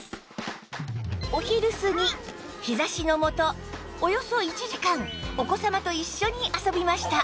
お昼過ぎ日差しのもとおよそ１時間お子様と一緒に遊びました